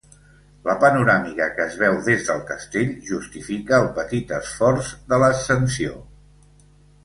La panoràmica que es veu des del castell justifica el petit esforç de l'ascensió.